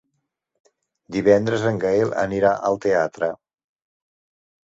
Divendres en Gaël anirà al teatre.